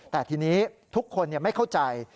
แต่ทีนี้ทุกคนไม่เข้าใจ